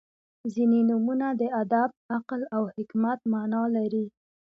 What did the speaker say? • ځینې نومونه د ادب، عقل او حکمت معنا لري.